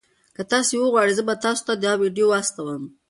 که تاسي وغواړئ زه به تاسي ته دا ویډیو واستوم.